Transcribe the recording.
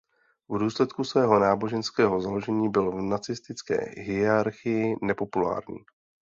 V důsledku svého náboženského založení byl v nacistické hierarchii nepopulární.